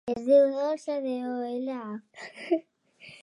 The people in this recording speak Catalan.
Es diu Dolça: de, o, ela, a.